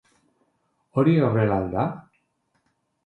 Hori horrela al da?